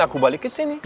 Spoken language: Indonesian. aku balik ke sini